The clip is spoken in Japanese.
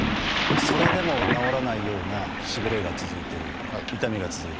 それでも治らないようなしびれが続いてる痛みが続いてる。